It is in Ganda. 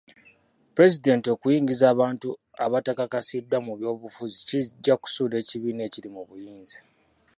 Pulezidenti okuyingiza abantu abatakakasiddwa mu by'obufuzi kijja kusuula ekibiina ekiri mu buyinza.